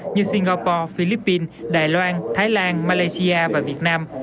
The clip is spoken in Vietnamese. như singapore philippines đài loan thái lan malaysia và việt nam